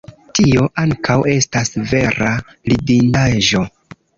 Tio ankaŭ estas vera ridindaĵo.